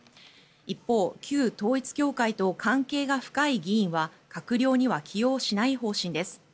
一方旧統一教会と関係が深い議員は閣僚には起用しない方針です。